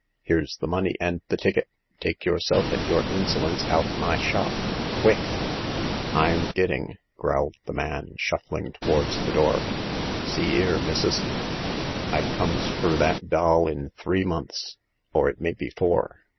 " Here's the money and the ticket. Take yourself and your insolence out of my shop. Quick I " 184 Hagar of the Pawn Shop, a T>, Tm gitting !" growled the man, shuffling to wards the door. See 'ere, missus ; I comes fur that doll in three months, or it may be four.